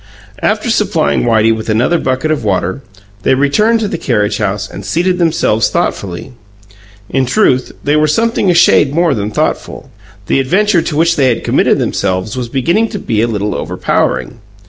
After supplying Whitey with another bucket of water, they returned to the carriage house and seated themselves thoughtfully. In truth, they were something a shade more than thoughtful; the adventure to which they had committed themselves was beginning to be a little overpowering.